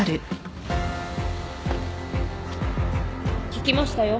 聞きましたよ。